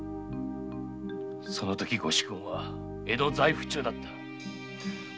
そのとき御主君は江戸在府中だった。